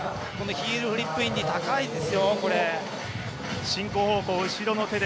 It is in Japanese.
ヒールフリップインディも高いです。